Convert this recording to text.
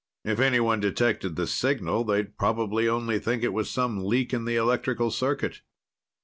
If anyone detected the signal, they'd probably only think it was some leak in the electrical circuit.